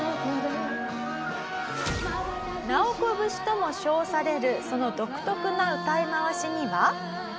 ナオコ節とも称されるその独特な歌い回しには。